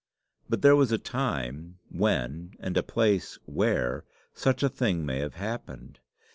But there was a time when and a place where such a thing may have happened.